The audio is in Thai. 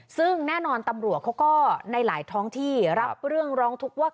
ซึ่งแน่นอนตำรวจเขาก็ในหลายท้องที่รับเรื่องร้องทุกข์ว่า